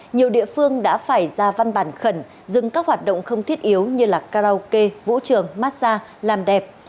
nhiều địa phương đã phải ra văn bản khẩn dừng các hoạt động không thiết yếu như là karaoke vũ trường massage làm đẹp